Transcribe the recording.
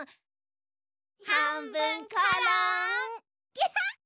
キャハッ！